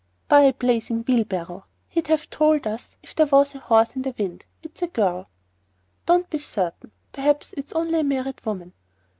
"Buy a blazing wheelbarrow! He'd have told us if there was a horse in the wind. It's a girl." "Don't be certain. Perhaps it's only a married woman."